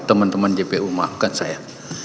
teman teman jpu maafkan saya